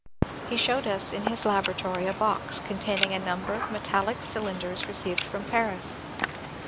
He showed us in his laboratory a box containing a number of metallic cylinders received from Paris.